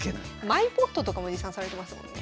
マイポットとかも持参されてますもんね。